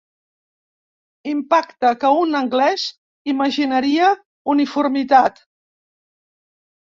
Impacte que un anglès imaginaria uniformat.